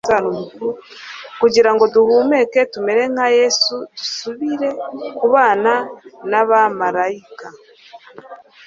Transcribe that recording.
kugira ngo duhmduke tumere nka Yesu dusubire kubana nabamaraika